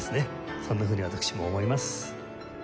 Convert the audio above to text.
そんなふうに私も思います。